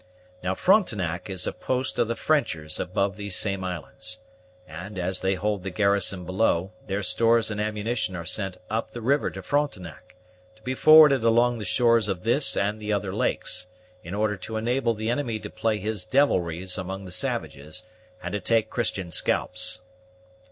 Now Frontenac is a post of the Frenchers above these same islands; and, as they hold the garrison below, their stores and ammunition are sent up the river to Frontenac, to be forwarded along the shores of this and the other lakes, in order to enable the enemy to play his devilries among the savages, and to take Christian scalps."